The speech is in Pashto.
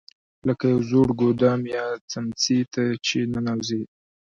لکه یو زوړ ګودام یا څمڅې ته چې ننوځې.